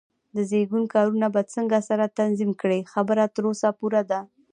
د زېږون کارونه به څنګه سره تنظیم کړې؟ خبره تر وسه پورې ده.